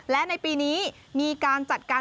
และในปีนี้มีการจัดการ